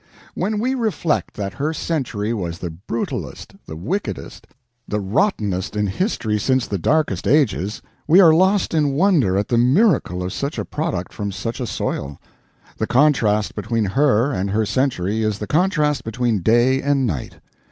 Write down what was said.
When we reflect that her century was the brutalest, the wickedest, the rottenest in history since the darkest ages, we are lost in wonder at the miracle of such a product from such a soil. The contrast between her and her century is the contrast between day and night.